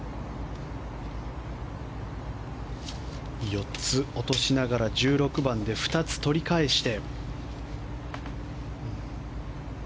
４つ落としながら１６番で２つ取り返して。